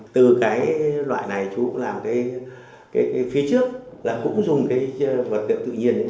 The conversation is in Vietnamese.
từ cái loại này chú cũng làm cái phía trước là cũng dùng cái vật liệu tự nhiên